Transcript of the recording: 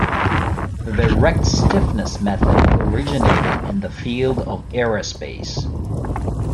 The direct stiffness method originated in the field of aerospace.